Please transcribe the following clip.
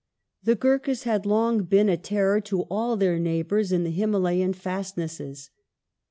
The Gurkhas had long been a terror to all their neighbours in the Himalayan fastnesses.